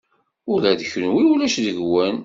Ula d kunwi ulac deg-wen.